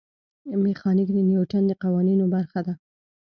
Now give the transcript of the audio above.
میخانیک د نیوټن د قوانینو برخه ده.